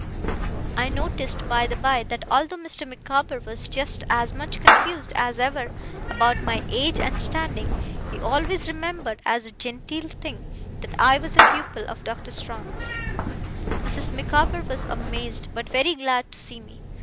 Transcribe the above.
I noticed, by the by, that although Mr. Micawber was just as much confused as ever about my age and standing, he always remembered, as a genteel thing, that I was a pupil of Doctor Strong's. Mrs. Micawber was amazed, but very glad to see me.